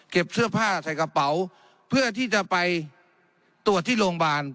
เสื้อผ้าใส่กระเป๋าเพื่อที่จะไปตรวจที่โรงพยาบาล